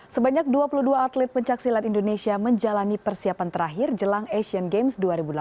sebanyak dua puluh dua atlet pencaksilat indonesia menjalani persiapan terakhir jelang asian games dua ribu delapan belas